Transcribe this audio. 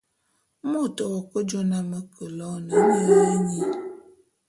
Môt w'ake jô na me ke loene nye nyi.